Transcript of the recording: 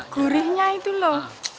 gurihnya itu loh